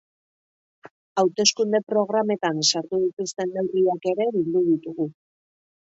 Hauteskunde programetan sartu dituzten neurriak ere bildu ditugu.